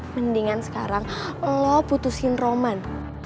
mendingan sekarang lo putusin roman